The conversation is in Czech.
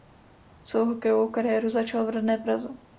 Svou hokejovou kariéru začal v rodné Praze.